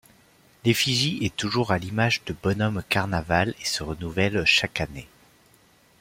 L’Effigie est toujours à l’image de Bonhomme Carnaval et se renouvelle chaque année.